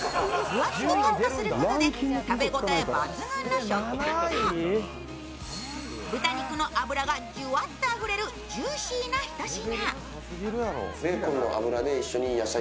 分厚くカットすることで食べ応え抜群の食感と豚肉の脂がじゅわっとあふれるジューシーなひと品。